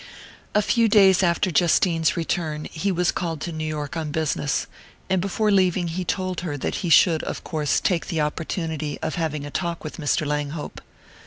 A few days after Justine's return he was called to New York on business; and before leaving he told her that he should of course take the opportunity of having a talk with Mr. Langhope.